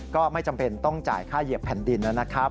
ก็ไม่จำเป็นต้องจ่ายค่าเหยียบแผ่นดินนะครับ